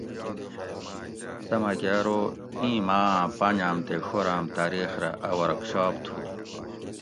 سہۤ مکہۤ ارو اِیں ماۤ آۤں پانجاۤم تے ڛوراۤم تاۤریخ رہ اۤ ورکشاپ تھُو